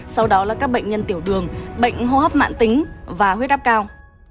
sau đó là các bệnh nhân tiểu đường bệnh hô hấp mạng tính và huyết áp cao